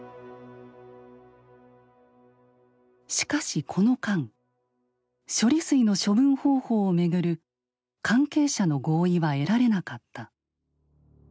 しかしこの間処理水の処分方法を巡る関係者の合意は得られなかった。